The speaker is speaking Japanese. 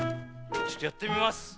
ちょっとやってみます。